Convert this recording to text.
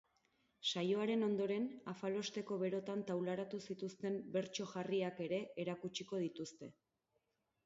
Saioaren ondoren afalosteko berotan taularatu zituzten bertso jarriak ere erakutsiko dituzte.